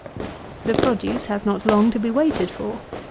The produce has not long to be waited for.